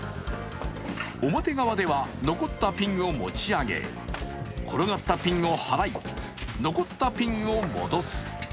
表側では残ったピンを持ち上げ、転がったピンを払い、残ったピンを戻す。